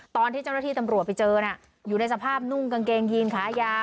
ตอนที่เจ้าหน้าที่ตำรวจไปเจอน่ะอยู่ในสภาพนุ่งกางเกงยีนขายาว